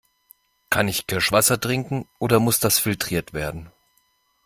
Kann ich Kirschwasser trinken oder muss das filtriert werden?